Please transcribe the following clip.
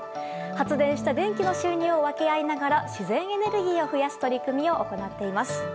発電した電気の収入を分け合いながら自然エネルギーを増やす取り組みを行っています。